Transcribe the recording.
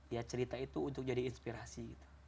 ya cerita itu untuk jadi inspirasi gitu